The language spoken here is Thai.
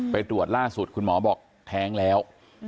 ไปตรวจล่าสุดคุณหมอบอกแท้งแล้ว